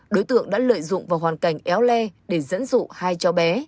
đối tượng đã lợi dụng vào hoàn cảnh éo le để dẫn dụ hai cháu bé